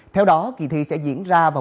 theo đó kỳ thi sẽ diễn ra vào